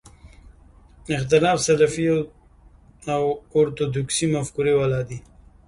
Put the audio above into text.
اختلاف سلفي اورتودوکسي مفکورې والا دي.